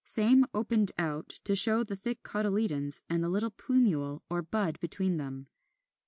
Same opened out, to show the thick cotyledons and the little plumule or bud between them.